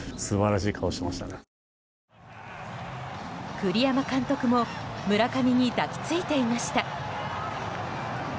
栗山監督も村上に抱き着いていました。